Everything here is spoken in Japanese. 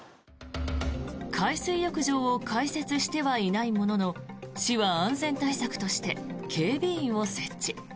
海水浴場を開設してはいないものの市は安全対策として警備員を設置。